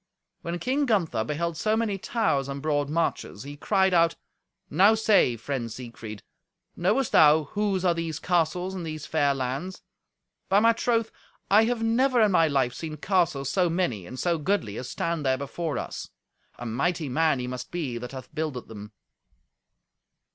When King Gunther beheld so many towers and broad marches, he cried out, "Now say, friend Siegfried; knowest thou whose are these castles and these fair lands? By my troth, I have never in my life seen castles so many and so goodly as stand there before us. A mighty man he must be that hath builded them."